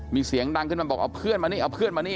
มีเสียงดังขึ้นมาบอกเอาเพื่อนมานี่เอาเพื่อนมานี่